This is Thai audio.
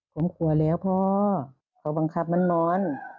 ผมกลัวแล้วพ่อเขาบังคับมันร้อน